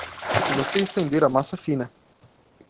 Se você estender a massa fina.